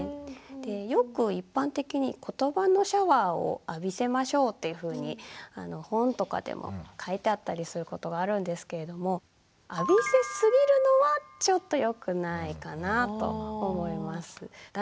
よく一般的に「ことばのシャワーを浴びせましょう」っていうふうに本とかでも書いてあったりすることがあるんですけれども浴びせすぎるのはちょっとよくないかなと思います。